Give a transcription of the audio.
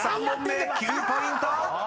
［３問目９ポイント！